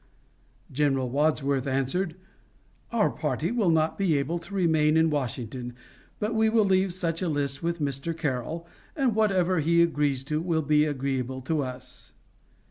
General Wadsworth answered: "Our party will not be able to remain in Washington, but we will leave such a list with Mr. Carroll, and whatever he agrees to will be agreeable to us."